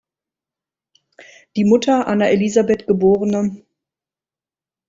Die Mutter Anna Elisabeth geb.